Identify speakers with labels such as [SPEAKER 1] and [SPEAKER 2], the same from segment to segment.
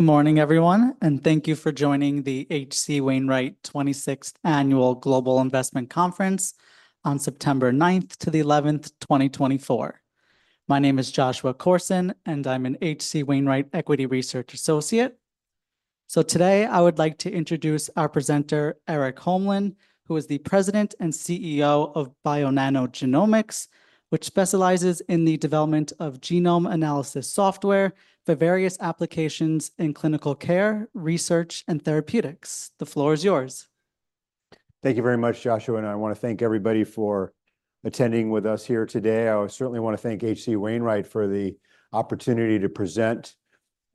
[SPEAKER 1] Morning, everyone, and thank you for joining the H.C. Wainwright 26th Annual Global Investment Conference on September ninth to the 11th, 2024. My name is Joshua Corson, and I'm an H.C. Wainwright equity research associate. So today, I would like to introduce our presenter, Erik Holmlin, who is the President and CEO of Bionano Genomics, which specializes in the development of genome analysis software for various applications in clinical care, research, and therapeutics. The floor is yours.
[SPEAKER 2] Thank you very much, Joshua, and I want to thank everybody for attending with us here today. I certainly want to thank H.C. Wainwright for the opportunity to present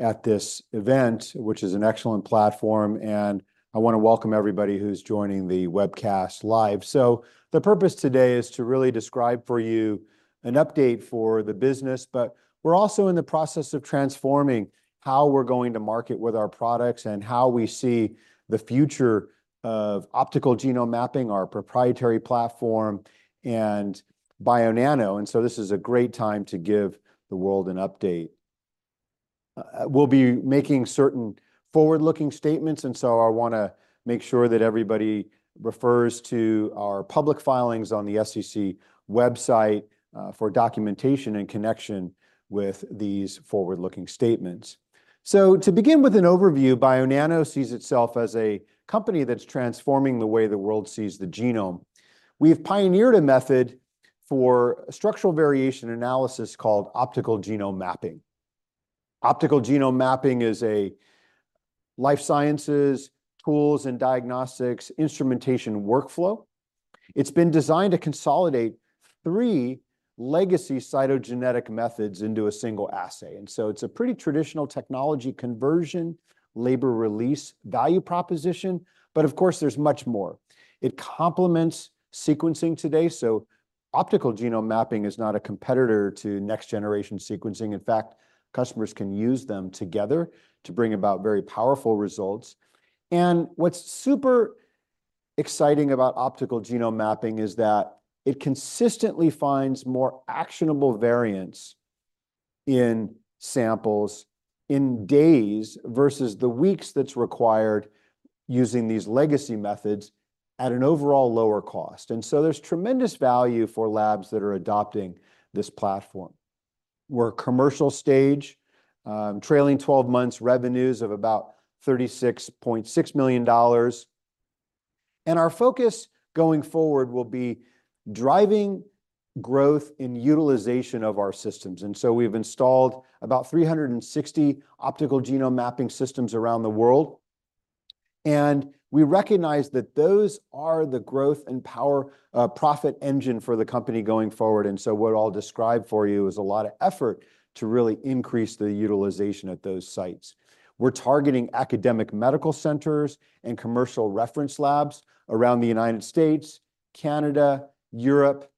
[SPEAKER 2] at this event, which is an excellent platform, and I want to welcome everybody who's joining the webcast live. So the purpose today is to really describe for you an update for the business, but we're also in the process of transforming how we're going to market with our products and how we see the future of optical genome mapping, our proprietary platform, and Bionano, and so this is a great time to give the world an update. We'll be making certain forward-looking statements, and so I want to make sure that everybody refers to our public filings on the SEC website for documentation in connection with these forward-looking statements. So to begin with an overview, Bionano sees itself as a company that's transforming the way the world sees the genome. We've pioneered a method for structural variation analysis called optical genome mapping. Optical genome mapping is a life sciences, tools, and diagnostics, instrumentation workflow. It's been designed to consolidate three legacy cytogenetic methods into a single assay, and so it's a pretty traditional technology conversion, labor release value proposition, but of course, there's much more. It complements sequencing today, so optical genome mapping is not a competitor to next-generation sequencing. In fact, customers can use them together to bring about very powerful results. And what's super exciting about optical genome mapping is that it consistently finds more actionable variants in samples in days, versus the weeks that's required using these legacy methods at an overall lower cost. And so there's tremendous value for labs that are adopting this platform. We're commercial stage, trailing twelve months revenues of about $36.6 million. And our focus going forward will be driving growth in utilization of our systems. And so we've installed about 360 optical genome mapping systems around the world, and we recognize that those are the growth and power, profit engine for the company going forward. And so what I'll describe for you is a lot of effort to really increase the utilization at those sites. We're targeting academic medical centers and commercial reference labs around the United States, Canada, Europe,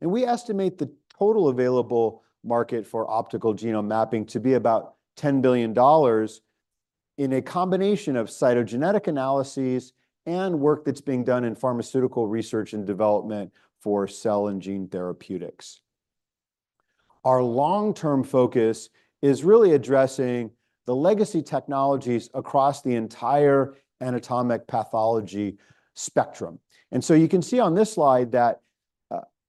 [SPEAKER 2] and we estimate the total available market for optical genome mapping to be about $10 billion in a combination of cytogenetic analyses and work that's being done in pharmaceutical research and development for cell and gene therapeutics. Our long-term focus is really addressing the legacy technologies across the entire anatomic pathology spectrum, and so you can see on this slide that,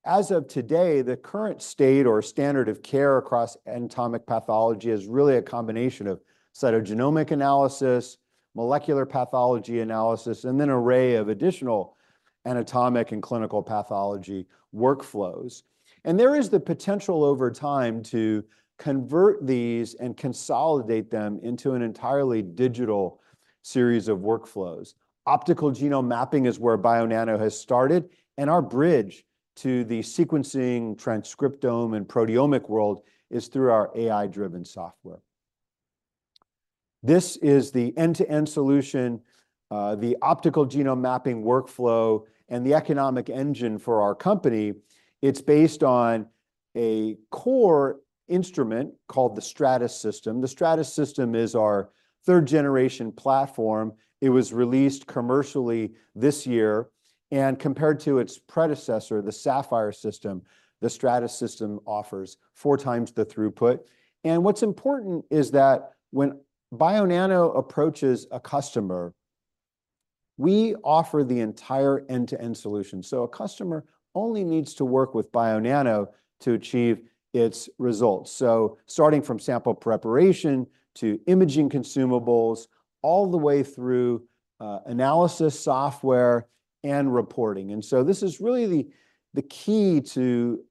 [SPEAKER 2] as of today, the current state or standard of care across anatomic pathology is really a combination of cytogenomic analysis, molecular pathology analysis, and an array of additional anatomic and clinical pathology workflows, and there is the potential over time to convert these and consolidate them into an entirely digital series of workflows. Optical genome mapping is where Bionano has started, and our bridge to the sequencing, transcriptome, and proteomic world is through our AI-driven software. This is the end-to-end solution, the optical genome mapping workflow, and the economic engine for our company. It's based on a core instrument called the Stratys System. The Stratys System is our third-generation platform. It was released commercially this year, and compared to its predecessor, the Saphyr System, the Stratys System offers four times the throughput. And what's important is that when Bionano approaches a customer, we offer the entire end-to-end solution. So a customer only needs to work with Bionano to achieve its results. So starting from sample preparation to imaging consumables, all the way through, analysis, software, and reporting. And so this is really the key to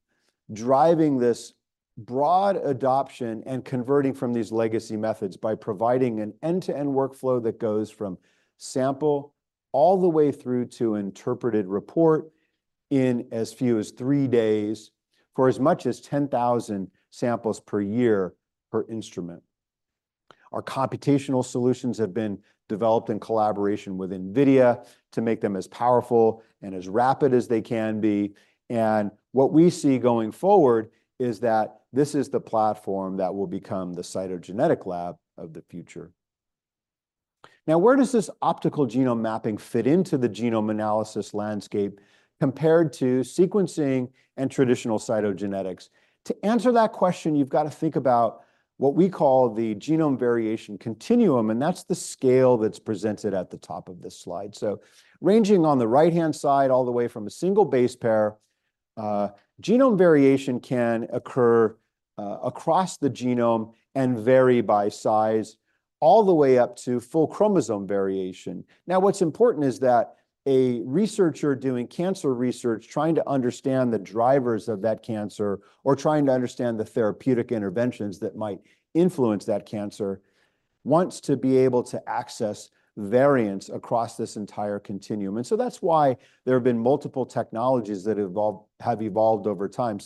[SPEAKER 2] driving this broad adoption and converting from these legacy methods by providing an end-to-end workflow that goes from sample all the way through to interpreted report in as few as three days for as much as ten thousand samples per year per instrument. Our computational solutions have been developed in collaboration with NVIDIA to make them as powerful and as rapid as they can be. What we see going forward is that this is the platform that will become the cytogenetic lab of the future. Now, where does this optical genome mapping fit into the genome analysis landscape compared to sequencing and traditional cytogenetics? To answer that question, you've got to think about what we call the genome variation continuum, and that's the scale that's presented at the top of this slide. Ranging on the right-hand side all the way from a single base pair, genome variation can occur across the genome and vary by size, all the way up to full chromosome variation. Now, what's important is that a researcher doing cancer research, trying to understand the drivers of that cancer or trying to understand the therapeutic interventions that might influence that cancer, wants to be able to access variants across this entire continuum. That's why there have been multiple technologies that evolved over time.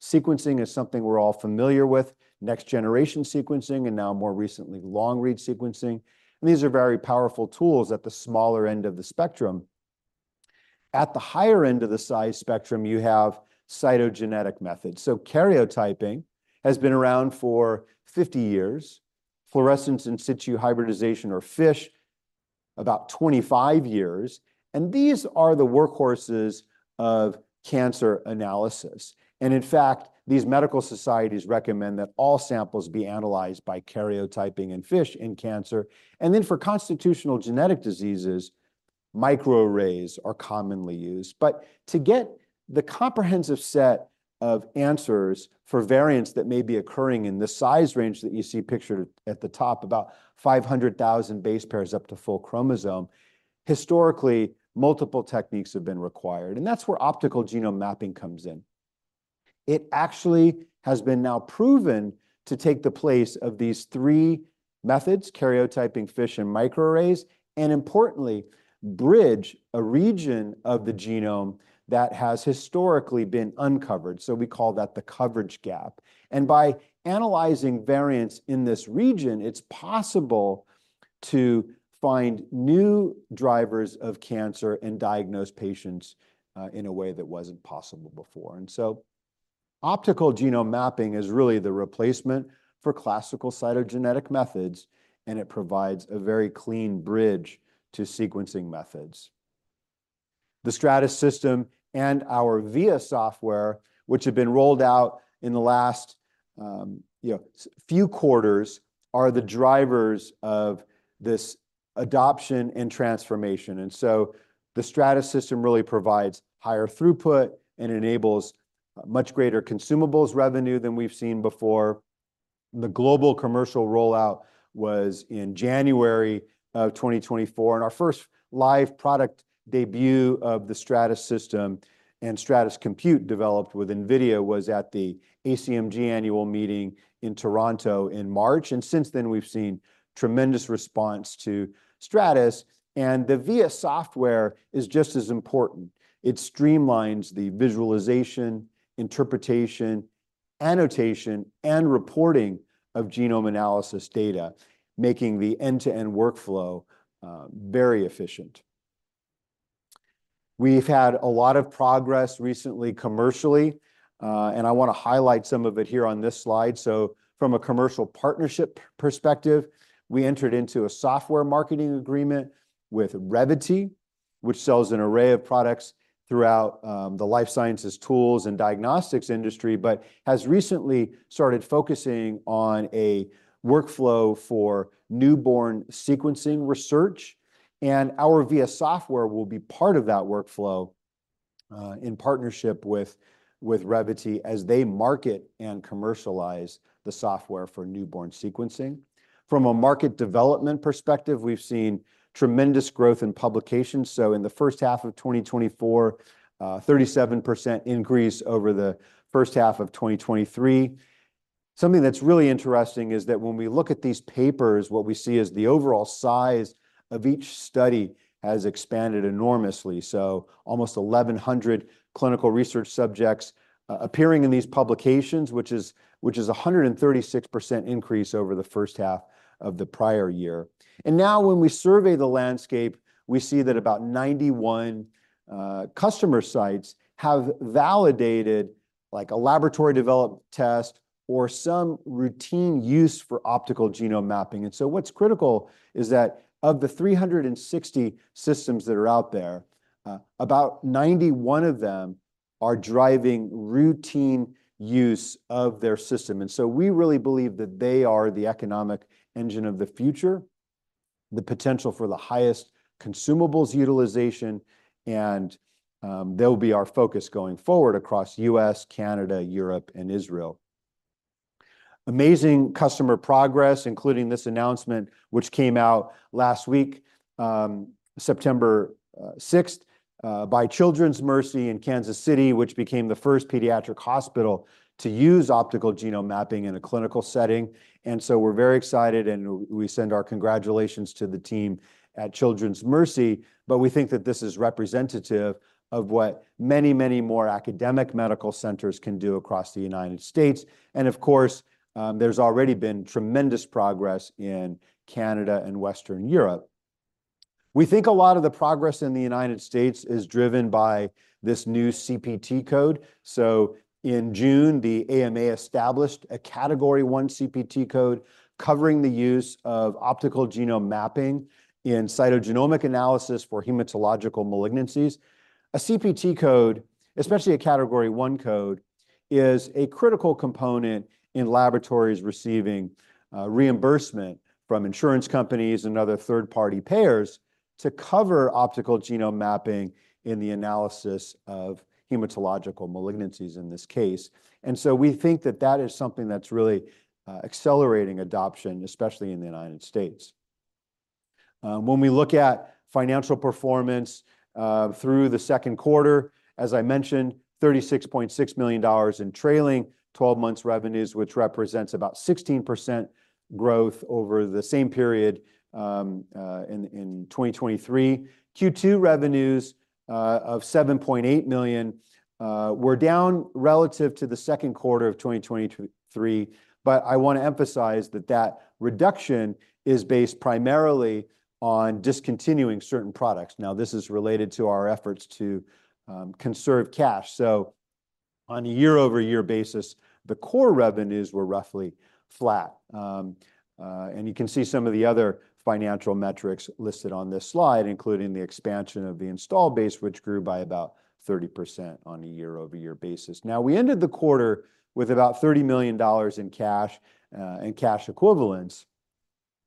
[SPEAKER 2] Sequencing is something we're all familiar with, next-generation sequencing, and now more recently, long-read sequencing. These are very powerful tools at the smaller end of the spectrum. At the higher end of the size spectrum, you have cytogenetic methods. Karyotyping has been around for fifty years. Fluorescence in situ hybridization, or FISH, about 25 years. These are the workhorses of cancer analysis. In fact, these medical societies recommend that all samples be analyzed by karyotyping and FISH in cancer. Then for constitutional genetic diseases, microarrays are commonly used. But to get the comprehensive set of answers for variants that may be occurring in this size range that you see pictured at the top, about five hundred thousand base pairs up to full chromosome, historically, multiple techniques have been required, and that's where optical genome mapping comes in. It actually has been now proven to take the place of these three methods: karyotyping, FISH, and microarrays, and importantly, bridge a region of the genome that has historically been uncovered. So we call that the coverage gap. And by analyzing variants in this region, it's possible to find new drivers of cancer and diagnose patients in a way that wasn't possible before. And so optical genome mapping is really the replacement for classical cytogenetic methods, and it provides a very clean bridge to sequencing methods. The Stratys System and our VIA software, which have been rolled out in the last, you know, few quarters, are the drivers of this adoption and transformation. And so the Stratys System really provides higher throughput and enables much greater consumables revenue than we've seen before. The global commercial rollout was in January of 2024, and our first live product debut of the Stratys System and Stratys Compute, developed with NVIDIA, was at the ACMG annual meeting in Toronto in March. And since then, we've seen tremendous response to Stratys, and the VIA software is just as important. It streamlines the visualization, interpretation, annotation, and reporting of genome analysis data, making the end-to-end workflow very efficient. We've had a lot of progress recently, commercially, and I want to highlight some of it here on this slide. From a commercial partnership perspective, we entered into a software marketing agreement with Revvity, which sells an array of products throughout the life sciences tools and diagnostics industry, but has recently started focusing on a workflow for newborn sequencing research, and our VIA software will be part of that workflow, in partnership with Revvity as they market and commercialize the software for newborn sequencing. From a market development perspective, we've seen tremendous growth in publications. In the first half of 2024, 37% increase over the first half of 2023. Something that's really interesting is that when we look at these papers, what we see is the overall size of each study has expanded enormously. So almost 1,100 clinical research subjects appearing in these publications, which is a 136% increase over the first half of the prior year. Now, when we survey the landscape, we see that about 91 customer sites have validated, like a laboratory development test or some routine use for optical genome mapping. So what's critical is that of the 360 systems that are out there, about 91 of them are driving routine use of their system. We really believe that they are the economic engine of the future, the potential for the highest consumables utilization, and they'll be our focus going forward across U.S., Canada, Europe, and Israel. Amazing customer progress, including this announcement, which came out last week, September sixth, by Children's Mercy Kansas City, which became the first pediatric hospital to use optical genome mapping in a clinical setting. And so we're very excited, and we send our congratulations to the team at Children's Mercy. But we think that this is representative of what many, many more academic medical centers can do across the United States. And of course, there's already been tremendous progress in Canada and Western Europe. We think a lot of the progress in the United States is driven by this new CPT code. So in June, the AMA established a Category I CPT code covering the use of optical genome mapping in cytogenomic analysis for hematological malignancies. A CPT code, especially a Category I code, is a critical component in laboratories receiving reimbursement from insurance companies and other third-party payers to cover optical genome mapping in the analysis of hematological malignancies in this case. And so we think that that is something that's really accelerating adoption, especially in the United States. When we look at financial performance through the second quarter, as I mentioned, $36.6 million in trailing twelve months revenues, which represents about 16% growth over the same period in 2023. Q2 revenues of $7.8 million were down relative to the second quarter of 2023, but I wanna emphasize that that reduction is based primarily on discontinuing certain products. Now, this is related to our efforts to conserve cash. On a year-over-year basis, the core revenues were roughly flat. You can see some of the other financial metrics listed on this slide, including the expansion of the installed base, which grew by about 30% on a year-over-year basis. Now, we ended the quarter with about $30 million in cash and cash equivalents.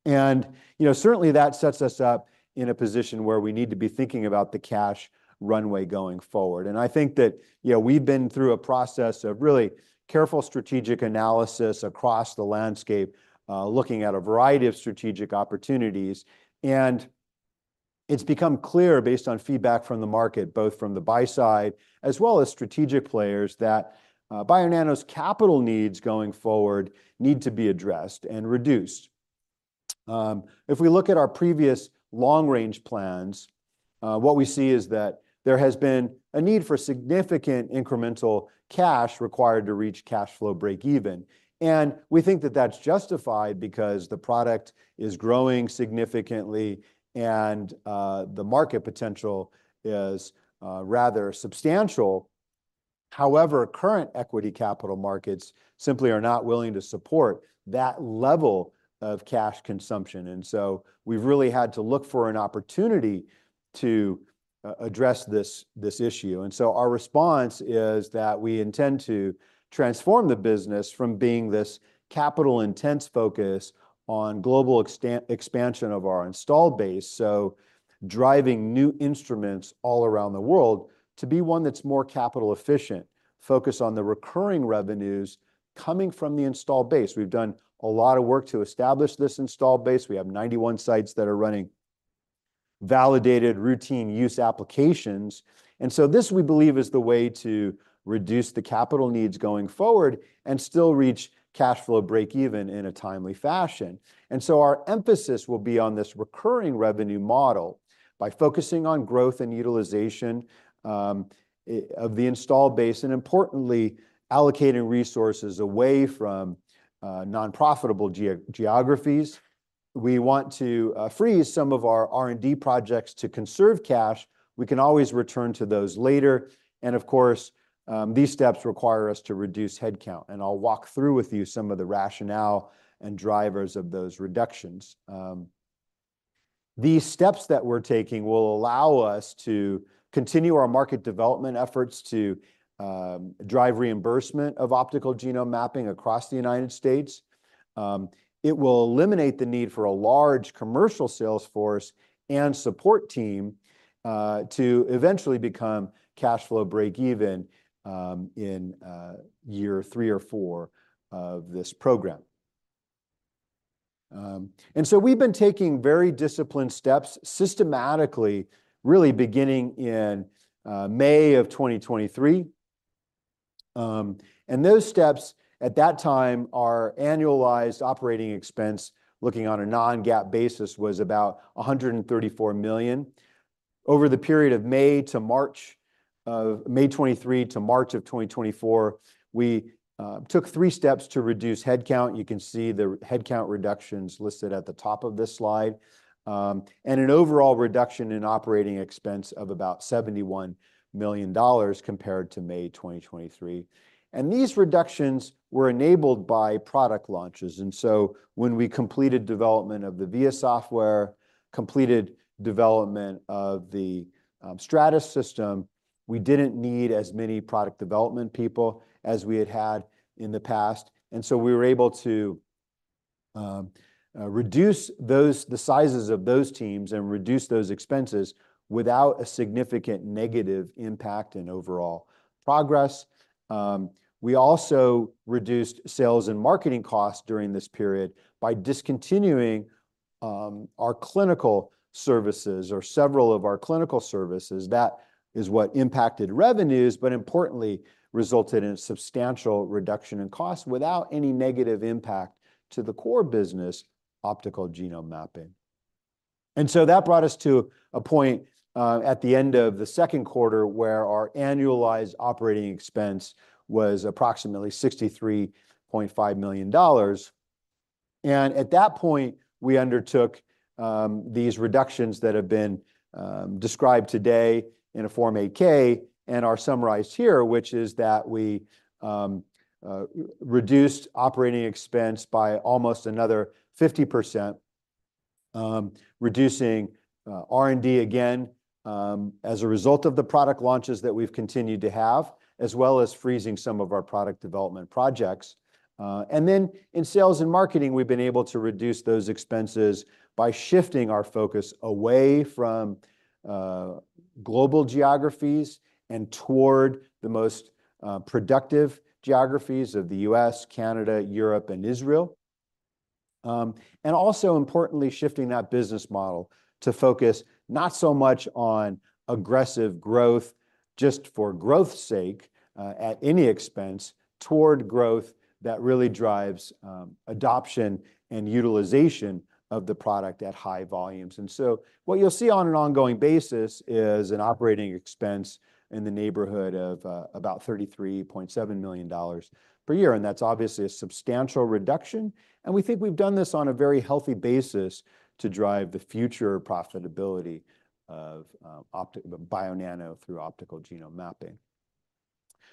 [SPEAKER 2] You know, certainly that sets us up in a position where we need to be thinking about the cash runway going forward. I think that, you know, we've been through a process of really careful strategic analysis across the landscape, looking at a variety of strategic opportunities. It's become clear, based on feedback from the market, both from the buy side as well as strategic players, that Bionano's capital needs going forward need to be addressed and reduced. If we look at our previous long-range plans, what we see is that there has been a need for significant incremental cash required to reach cash flow breakeven, and we think that that's justified because the product is growing significantly and the market potential is rather substantial. However, current equity capital markets simply are not willing to support that level of cash consumption, and so we've really had to look for an opportunity to address this, this issue. And so our response is that we intend to transform the business from being this capital-intense focus on global expansion of our installed base, so driving new instruments all around the world, to be one that's more capital efficient, focused on the recurring revenues coming from the installed base. We've done a lot of work to establish this installed base. We have ninety-one sites that are running validated routine use applications. And so this, we believe, is the way to reduce the capital needs going forward and still reach cash flow breakeven in a timely fashion. And so our emphasis will be on this recurring revenue model by focusing on growth and utilization of the installed base, and importantly, allocating resources away from non-profitable geographies. We want to freeze some of our R&D projects to conserve cash. We can always return to those later. And of course, these steps require us to reduce headcount, and I'll walk through with you some of the rationale and drivers of those reductions. These steps that we're taking will allow us to continue our market development efforts to drive reimbursement of optical genome mapping across the United States. It will eliminate the need for a large commercial sales force and support team to eventually become cash flow breakeven in year three or four of this program, and so we've been taking very disciplined steps systematically, really beginning in May of 2023, and those steps, at that time our annualized operating expense, looking on a non-GAAP basis, was about $134 million. Over the period of May to March, May 2023 to March of 2024, we took three steps to reduce headcount. You can see the headcount reductions listed at the top of this slide, and an overall reduction in operating expense of about $71 million compared to May 2023, and these reductions were enabled by product launches. And so when we completed development of the VIA software, completed development of the Stratys system, we didn't need as many product development people as we had had in the past. And so we were able to reduce the sizes of those teams and reduce those expenses without a significant negative impact in overall progress. We also reduced sales and marketing costs during this period by discontinuing our clinical services or several of our clinical services. That is what impacted revenues, but importantly, resulted in a substantial reduction in costs without any negative impact to the core business, optical genome mapping. And so that brought us to a point at the end of the second quarter, where our annualized operating expense was approximately $63.5 million. And at that point, we undertook these reductions that have been described today in a Form 8-K and are summarized here, which is that we reduced operating expense by almost another 50%, reducing R&D again as a result of the product launches that we've continued to have, as well as freezing some of our product development projects. And then in sales and marketing, we've been able to reduce those expenses by shifting our focus away from global geographies and toward the most productive geographies of the U.S., Canada, Europe, and Israel. And also importantly, shifting that business model to focus not so much on aggressive growth, just for growth's sake, at any expense, toward growth that really drives adoption and utilization of the product at high volumes. And so what you'll see on an ongoing basis is an operating expense in the neighborhood of about $33.7 million per year, and that's obviously a substantial reduction, and we think we've done this on a very healthy basis to drive the future profitability of Bionano through optical genome mapping.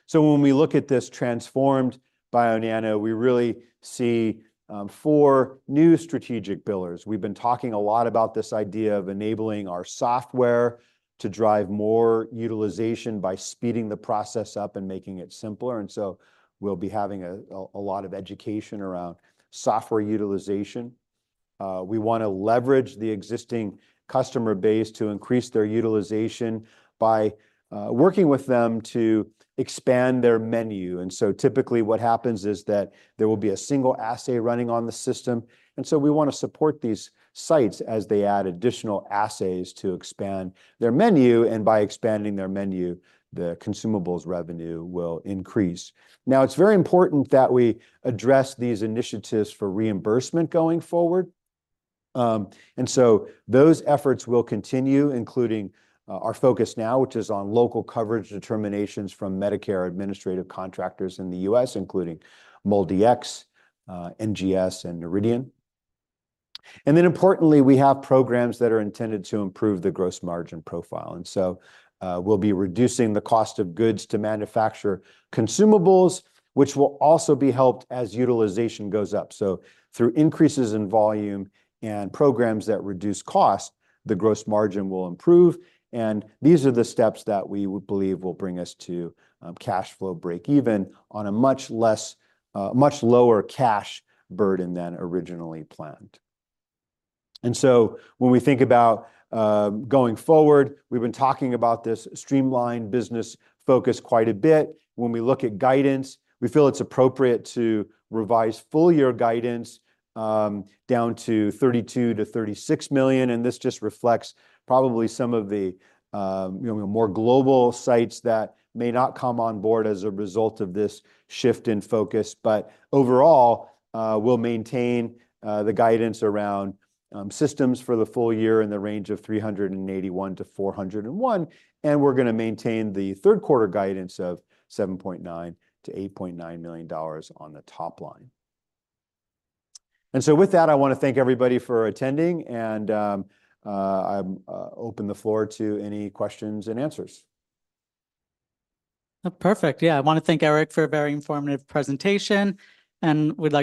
[SPEAKER 2] So when we look at this transformed Bionano, we really see four new strategic pillars. We've been talking a lot about this idea of enabling our software to drive more utilization by speeding the process up and making it simpler, and so we'll be having a lot of education around software utilization. We want to leverage the existing customer base to increase their utilization by working with them to expand their menu. And so typically, what happens is that there will be a single assay running on the system, and so we wanna support these sites as they add additional assays to expand their menu, and by expanding their menu, the consumables revenue will increase. Now, it's very important that we address these initiatives for reimbursement going forward. And so those efforts will continue, including, our focus now, which is on local coverage determinations from Medicare administrative contractors in the U.S., including MolDX, NGS, and Noridian. And then importantly, we have programs that are intended to improve the gross margin profile. And so, we'll be reducing the cost of goods to manufacture consumables, which will also be helped as utilization goes up. So through increases in volume and programs that reduce cost, the gross margin will improve, and these are the steps that we would believe will bring us to cash flow break-even on a much less, much lower cash burden than originally planned. And so when we think about going forward, we've been talking about this streamlined business focus quite a bit. When we look at guidance, we feel it's appropriate to revise full year guidance down to $32-$36 million, and this just reflects probably some of the you know, more global sites that may not come on board as a result of this shift in focus. But overall, we'll maintain the guidance around systems for the full year in the range of 381-401, and we're gonna maintain the third quarter guidance of $7.9-$8.9 million on the top line. And so with that, I wanna thank everybody for attending, and I open the floor to any questions and answers.
[SPEAKER 1] Perfect. Yeah, I wanna thank Erik for a very informative presentation, and we'd like to-